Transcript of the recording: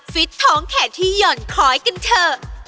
ฟิตท้องแขนที่หย่อนคอยกันเถอะ